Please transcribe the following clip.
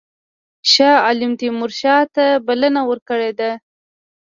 شاه عالم تیمورشاه ته بلنه ورکړې ده.